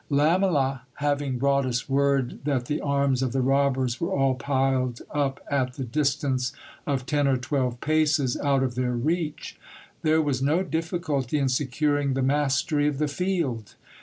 Lamela having brought us word that the arms of the robbers were all piled up at the distance of ten or twelve paces out of their reach, there was no difficulty in securing the mastery of the field.